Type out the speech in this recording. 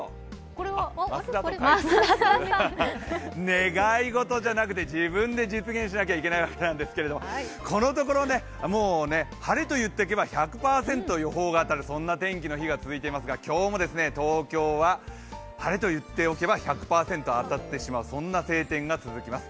願い事じゃなくて、自分で実現しなきゃいけないわけなんですけど、このところ、もうね、晴れと言っておけば１００％予報が当たるそんな天気の日が続いていますが今日は東京は晴れと言っておけば１００％当たってしまうそんな晴天が続きます。